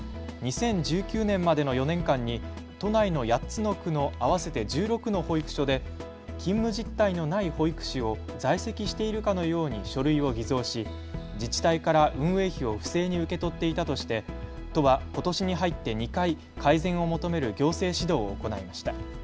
２０１９年までの４年間に都内の８つの区の合わせて１６の保育所で勤務実態のない保育士を在籍しているかのように書類を偽造し自治体から運営費を不正に受け取っていたとして都はことしに入って２回改善を求める行政指導を行いました。